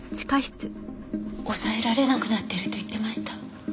抑えられなくなってると言ってました。